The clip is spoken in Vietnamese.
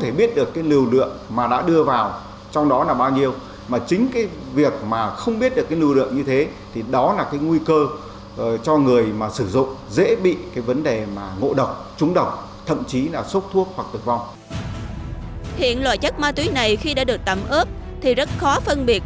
hiện loại chất ma túy này khi đã được tắm ướp thì rất khó phân biệt